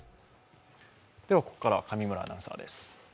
ここからは上村アナウンサーです。